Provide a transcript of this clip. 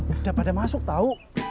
udah pada masuk tau